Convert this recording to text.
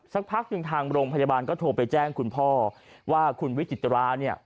สักพักหนึ่งทางโรงพยาบาลก็โทรไปแจ้งคุณพ่อว่าคุณวิจิตราเนี่ย